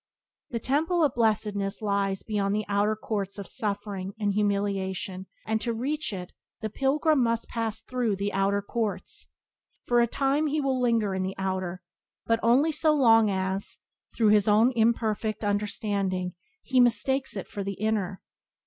The Temple of Blessedness lies beyond the outer courts of suffering and humiliation and to reach it the pilgrim must pass through the outer courts. For a time he will linger in the outer, but only so long as, through his own imperfect understanding, he mistakes it for the inner.